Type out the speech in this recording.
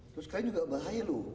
terus kain juga bahaya loh